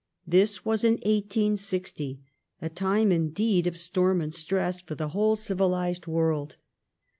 This was in i860, a time indeed of storm and stress for the whole civilized world.